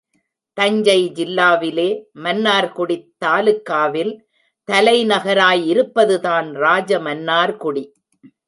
தஞ்சை ஜில்லாவிலே, மன்னார்குடித் தாலுகாவில் தலைநகராய் இருப்பதுதான் ராஜமன்னார்குடி.